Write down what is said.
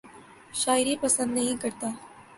شاعری پسند نہیں کرتا